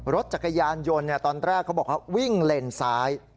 รถจักรยานยนต์ตอนแรกเขาบอกว่าวิ่งเลนซ้าย